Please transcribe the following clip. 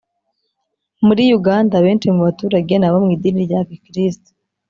Muri uganda, benshi mu baturage ni abo mu idini rya gikristu